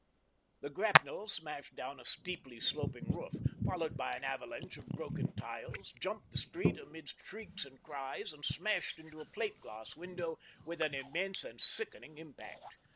The grapnel smashed down a steeply sloping roof, followed by an avalanche of broken tiles, jumped the street amidst shrieks and cries, and smashed into a plate glass window with an immense and sickening impact.